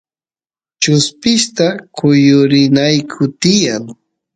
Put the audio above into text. chuspista kuyurinayku tiyan